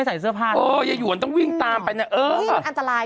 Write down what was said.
เซอร์ภาทอ๋ออย่าหยุ่นต้องตามไปน่ะอื้ออันตราย